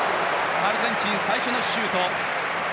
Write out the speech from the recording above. アルゼンチン、最初のシュート。